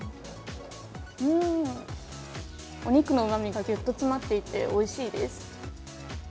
お肉のうまみがギュッと詰まっていておいしいです。